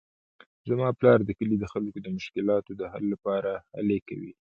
زما پلار د کلي د خلکو د مشکلاتو د حل لپاره هلې کوي